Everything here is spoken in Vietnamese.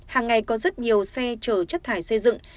hàng ngày có rất nhiều xe chở chất thải xây dựng